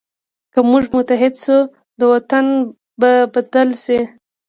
که موږ متحد شو، دا وطن به بدل شي.